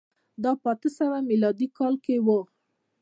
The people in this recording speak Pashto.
دا په اته سوه میلادي کال کي و.